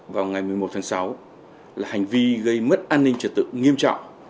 vào ngày một mươi một tháng sáu là hành vi gây mất an ninh trật tự nghiêm trọng